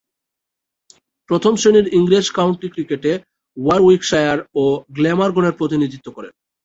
প্রথম-শ্রেণীর ইংরেজ কাউন্টি ক্রিকেটে ওয়ারউইকশায়ার ও গ্ল্যামারগনের প্রতিনিধিত্ব করেছেন।